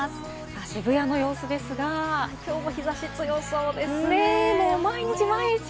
渋谷の様子ですが、毎日、毎日、暑そうですよね。